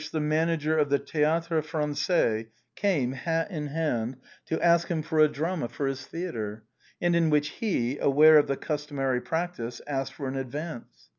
115 the manager of the Théâtre Français came hat in hand to ask him for a drama for his theatre, and in which he, aware of the customary practice, asked for an advance.